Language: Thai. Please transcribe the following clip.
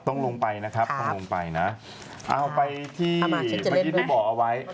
ต้องลงไปนะครับต้องลงไปนะเอาไปที่เมื่อกี้ที่บอกเอาไว้